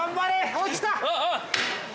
落ちた。